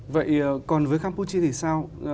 vậy còn với campuchia thì sao